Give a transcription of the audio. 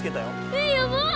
えっやばっ！